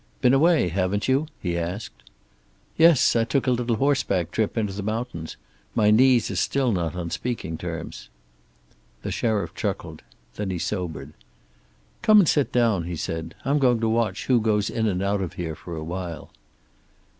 "Been away, haven't you?" he asked. "Yes. I took a little horseback trip into the mountains. My knees are still not on speaking terms." The sheriff chuckled. Then he sobered. "Come and sit down," he said. "I'm going to watch who goes in and out of here for a while."